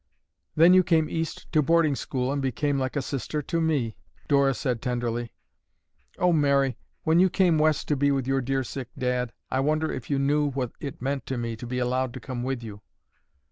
"Then you came East to boarding school and became like a sister to me," Dora said tenderly. "Oh, Mary, when you came West to be with your dear sick dad, I wonder if you know what it meant to me to be allowed to come with you."